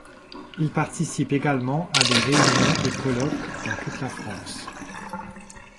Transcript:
Il participe également à des réunions et colloques dans toute la France.